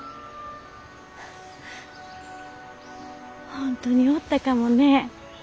本当におったかもね。